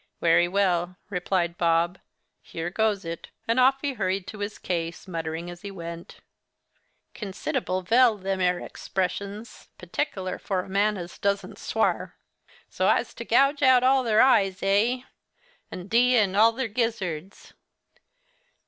'Wery well,' replied Bob, 'here goes it!' and off he hurried to his case, muttering as he went: 'Considdeble vell, them ere expressions, perticcler for a man as doesn't swar. So I's to gouge out all their eyes, eh? and d n all their gizzards!